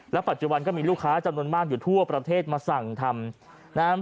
ปัจจุบันก็มีลูกค้าจำนวนมากอยู่ทั่วประเทศมาสั่งทำนะครับ